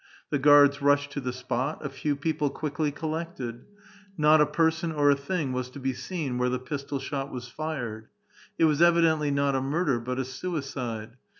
The guards rushed to the spot, a few people quickly collected ; not a person or a thing was to be seen where the pistol shot was fired. It was evidentlv not a murder, but a suicide.